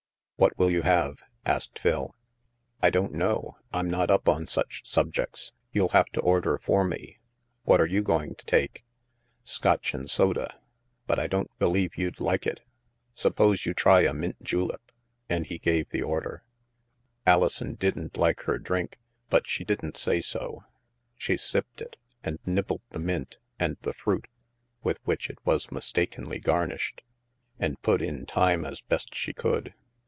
What will you have?'* asked Phil. I don't know. I'm not up on such subjects. You'll have to order for me. What are you going to take?" '* Scotch and soda. But I don't believe you'd 4€ THE MAELSTROM 117 like it. Suppose you try a mint julep "; and he gave the order. Alison didn't like her drink, but she didn't say so. She sipped it, and nibbled the mint and the fruit (with which it was mistakenly garnished), and put in time as best she could.